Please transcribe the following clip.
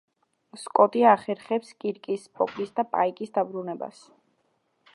სკოტი ახერხებს კირკის, სპოკის და პაიკის დაბრუნებას.